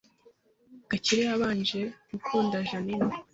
Gakire yabanje gukunda Jeaninne